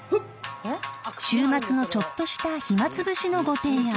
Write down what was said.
［週末のちょっとした暇つぶしのご提案］